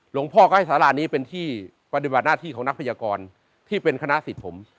หลวงพ่อก็ให้สารานี้เป็นที่ปฏิบัติหน้าที่ของนักพยากรที่เป็นคณะสิทธิ์ผม